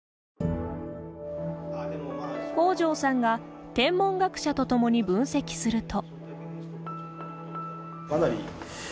北條さんが天文学者と共に分析すると。